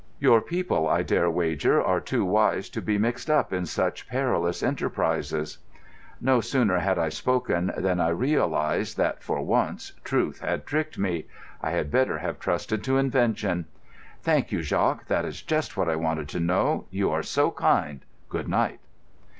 Your people, I dare wager, are too wise to be mixed up in such perilous enterprises." No sooner had I spoken than I realised that, for once, Truth had tricked me. I had better have trusted to invention. "Thank you, Jacques. That is just what I wanted to know. You are so kind. Good night."